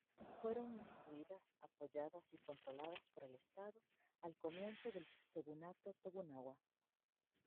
Fueron instituidas, apoyadas y controladas por el Estado, al comienzo del shogunato Tokugawa.